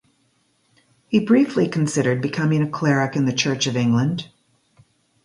He briefly considered becoming a cleric in the Church of England.